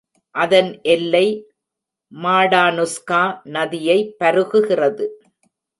அதன் எல்லை மாடானுஸ்கா நதியை பருகுகிறது.